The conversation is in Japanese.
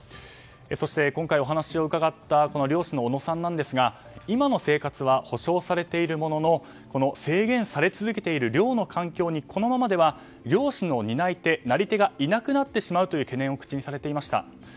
そして今回、お話を伺った漁師の小野さんですが今の生活は保障されているものの制限され続けている漁の環境にこのままでは漁師の担い手なり手がいなくなってしまうという懸念を口にされていました。